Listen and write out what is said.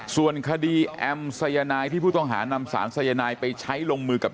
ส่วนคดีแอมสายนายที่ผู้ต้องหานำสารสายนายไปใช้ลงมือกับ